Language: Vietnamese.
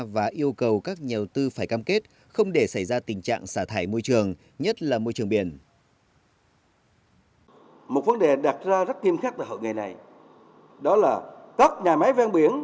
và yêu cầu các nhà đầu tư phải cam kết không để xảy ra tình trạng xả thải môi trường nhất là môi trường biển